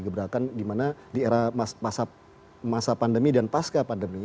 gebrakan dimana di era masa pandemi dan pasca pandemi